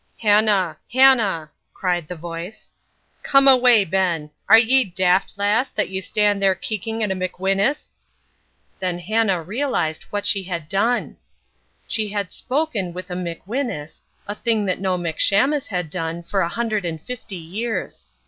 "Hannah, Hannah," cried the voice, "come away ben; are ye daft, lass, that ye stand there keeking at a McWhinus?" Then Hannah realised what she had done. She had spoken with a McWhinus, a thing that no McShamus had done for a hundred and fifty years.